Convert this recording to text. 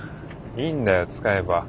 いいんだよ使えば。